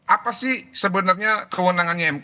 apa sih sebenarnya kewenangannya mk